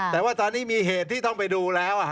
แต่ว่าตอนนี้มีเหตุที่ต้องไปดูแล้ว